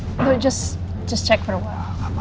cuma periksa sebentar